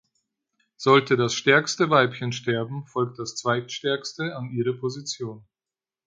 Sollte das stärkste Weibchen sterben, folgt das zweitstärkste an ihre Position.